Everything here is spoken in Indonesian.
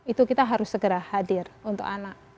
itu kita harus segera hadir untuk anak